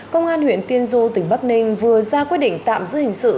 công an huyện tiên du tỉnh bắc ninh vừa ra quyết định tạm giữ hình sự